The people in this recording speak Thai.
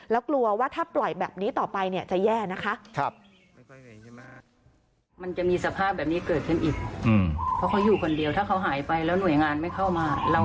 แล้วกลัวว่าถ้าปล่อยแบบนี้ต่อไปเนี่ยจะแย่นะคะ